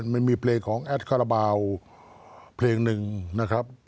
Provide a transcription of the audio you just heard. มันมีเพลงของแอดคาราบาลเพลงหนึ่งนะครับ